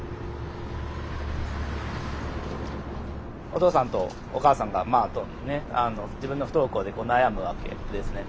お父さんとお母さんが自分の不登校で悩むわけですね。